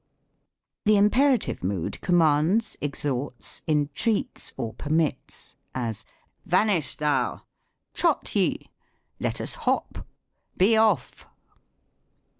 The Imperative Itfood commands, exhorts, entreats or permits : as, " Vanish thou ; trot ye ; let us hop ; be off'!"